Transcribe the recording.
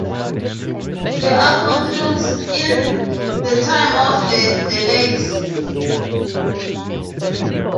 The arc concludes in "The Time of the Daleks".